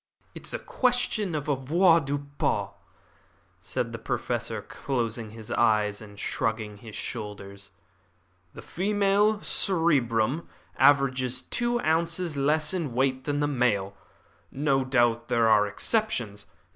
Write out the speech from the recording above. "It is a question of avoirdupois," said the Professor, closing his eyes and shrugging his shoulders. "The female cerebrum averages two ounces less in weight than the male. No doubt there are exceptions.